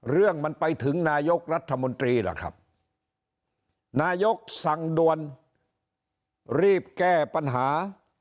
เรื่องมันไปถึงนายกรัฐมนตรีล่ะครับนายกสั่งด่วนรีบแก้ปัญหา